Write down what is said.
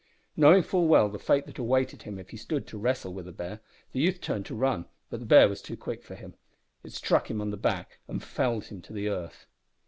Knowing full well the fate that awaited him if he stood to wrestle with a bear, the youth turned to run, but the bear was too quick for him. It struck him on the back and felled him to the earth.